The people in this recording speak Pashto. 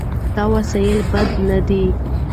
دا وسیلې بدې نه دي.